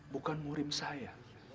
bukan murim saya